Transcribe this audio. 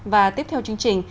và tiếp theo chương trình